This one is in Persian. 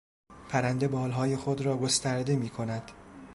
پرنده بالهای خود را گسترده میکند.